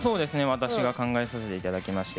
私が考えさせていただきまして。